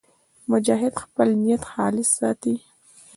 مجاهد خپل نیت خالص ساتي.